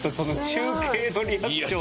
中継のリアクション。